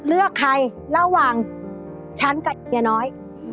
เลือกใครระหว่างฉันกับเมียน้อย